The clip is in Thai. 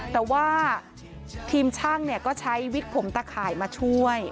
แต่ว่าทีมช่างก็ใช้วิกผมตะข่ายมาช่วย